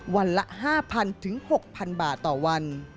วันละ๕๐๐๖๐๐๐บาทต่อวัน